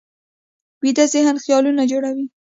ویده ذهن خیالونه جوړوي